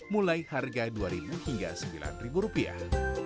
mulai harga dua ribu hingga sembilan rupiah